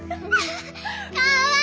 かわいい！